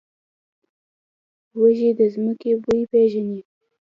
وزې د ځمکې بوی پېژني